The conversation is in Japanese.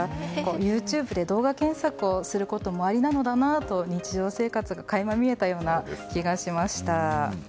ＹｏｕＴｕｂｅで動画検索をすることもおありなんだなと日常生活が垣間見えた気がしました。